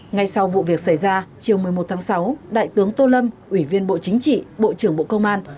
ngay sau vụ việc xảy ra chiều một mươi một tháng sáu đại tướng tô lâm ủy viên bộ chính trị bộ trưởng bộ công an